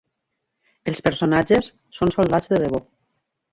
Els personatges són soldats de debò.